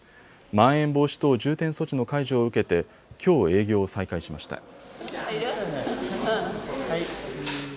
まん延防止等重点措置の解除を受けてきょう営業を再開しました。